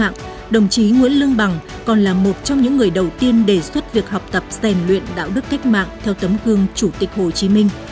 thích mạng theo tấm gương chủ tịch hồ chí minh